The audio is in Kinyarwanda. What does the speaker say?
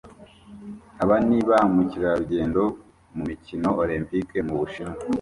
Aba ni ba mukerarugendo mu mikino Olempike mu Bushinwa